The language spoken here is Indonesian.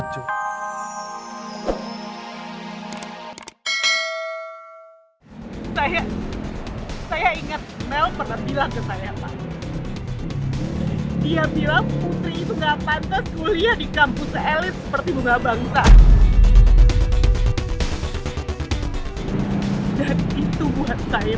dan itu buat saya